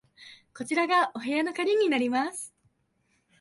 こちらがお部屋の鍵になります。